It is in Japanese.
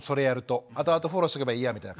あとあとフォローしとけばいいやみたいな感じで。